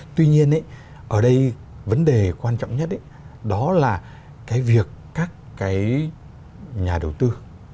tuy nhiên ở đây vấn đề quan trọng nhất đó là cái việc các cái nhà đầu tư